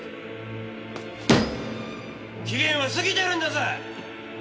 期限は過ぎてるんだぞ！